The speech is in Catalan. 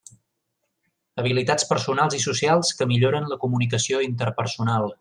Habilitats personals i socials que milloren la comunicació interpersonal.